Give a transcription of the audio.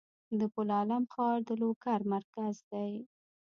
د پل علم ښار د لوګر مرکز دی